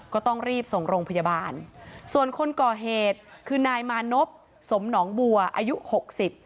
ก็ต้องรีบส่งโรงพยาบาลส่วนคนก่อเหตุคือนายมานพสมหนองบัวอายุหกสิบ